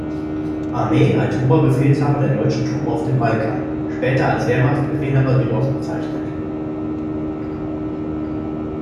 Armee als „Oberbefehlshaber der deutschen Truppen auf dem Balkan“, später als „Wehrmachtbefehlshaber Südost“ bezeichnet.